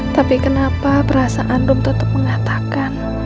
tapi kenapa perasaan rom tetep mengatakan